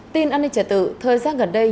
tin an ninh trẻ tự thời gian gần đây